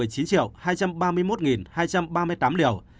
trong đó hắt tiêm một hai trăm ba mươi một hai trăm ba mươi tám liều